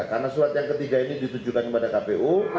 karena surat yang ketiga ini ditujukan kepada kpu